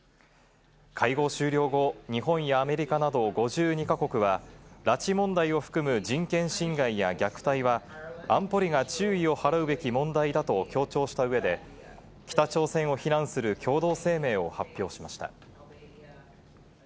会合終了後、日本やアメリカなど５２か国は、拉致問題を含む、人権侵害や虐待は安保理が注意を払うべき問題だと強調した上で、北朝鮮を非難する共同声明を発表しました。